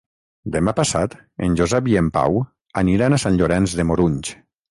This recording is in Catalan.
Demà passat en Josep i en Pau aniran a Sant Llorenç de Morunys.